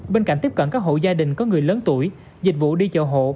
bên cạnh tiếp cận các hộ gia đình có người lớn tuổi dịch vụ đi chợ hộ